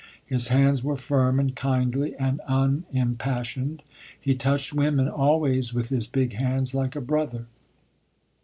His hands were firm and kindly and unimpassioned. He touched women always with his big hands, like a brother.